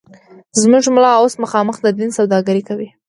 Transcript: زموږ ملا اوس مخامخ د دین سوداگري کوي